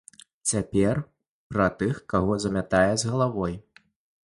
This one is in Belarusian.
Цяпер пра тых, каго замятае з галавой.